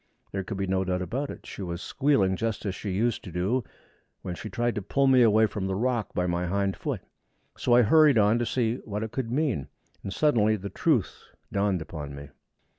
There could be no doubt of it. She was squealing just as she used to do when she tried to pull me away from the rock by my hind foot. So I hurried on to see what it could mean, and suddenly the truth dawned upon me.